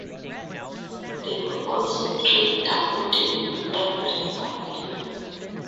There were also three downloadable levels available.